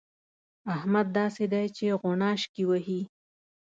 احمد داسې دی چې غوڼاشکې وهي.